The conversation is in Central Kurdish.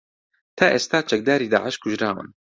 تا ئێستا چەکداری داعش کوژراون